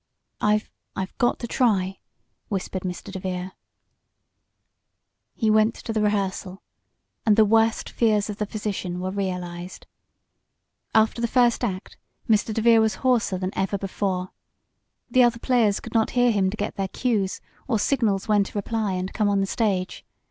"I I've got to try," whispered Mr. DeVere. He went to the rehearsal, and the worst fears of the physician were realized. After the first act Mr. DeVere was hoarser than ever before. The other players could not hear him to get their "cues," or signals when to reply, and come on the stage.